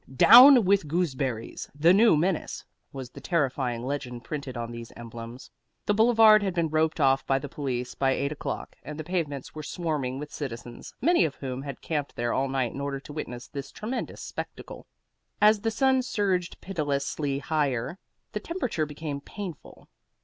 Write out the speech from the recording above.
DOWN WITH GOOSEBERRIES, THE NEW MENACE! was the terrifying legend printed on these emblems. The Boulevard had been roped off by the police by eight o'clock, and the pavements were swarming with citizens, many of whom had camped there all night in order to witness this tremendous spectacle. As the sun surged pitilessly higher, the temperature became painful.